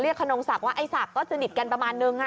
คนนงศักดิ์ว่าไอ้ศักดิ์ก็สนิทกันประมาณนึง